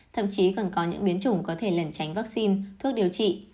thậm chí cần có những biến chủng có thể lần tránh vaccine thuốc điều trị